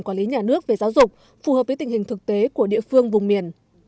quản lý nhà nước về giáo dục phù hợp với tình hình thực tế của địa phương vùng miền